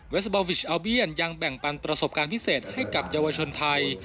บอลวิชอาเบียนยังแบ่งปันประสบการณ์พิเศษให้กับเยาวชนไทย